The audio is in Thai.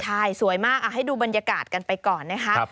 ใช่สวยมากให้ดูบรรยากาศกันไปก่อนนะคะ